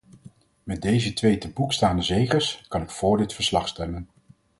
Met deze twee te boek staande zeges, kan ik voor dit verslag stemmen.